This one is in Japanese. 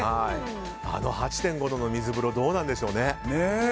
あの８．５度の水風呂どうなんでしょうね。